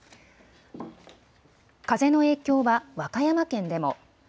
風の影響は和歌山県でも。